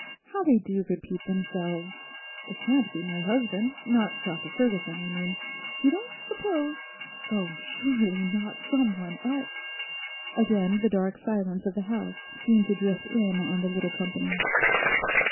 How they do repeat themselves. It can't be my husband; not Dr Ferguson, I mean. You don't suppose—oh surely, not "some one" else!' Again the dark silence of the house seemed to drift in on the little company.